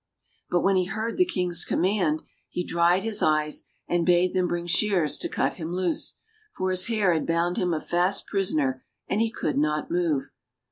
But when he heard the King's command, he dried his eyes and bade them bring shears to cut him loose, for his hair had bound him a fast prisoner, and he could not move.